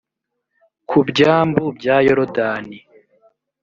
ku byambu bya yorodani